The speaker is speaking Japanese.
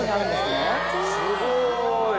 すごーい。